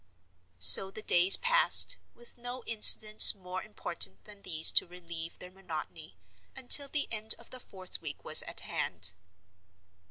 So the days passed, with no incidents more important than these to relieve their monotony, until the end of the fourth week was at hand.